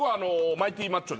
マイティマッチョ？